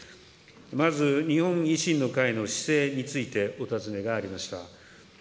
まず、日本維新の会の姿勢についてお尋ねがありました。